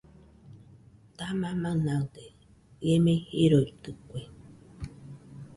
!Dama manaɨde¡ ie mei jiroitɨke